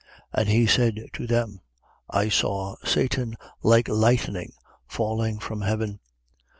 10:18. And he said to them: I saw Satan like lightning falling from heaven.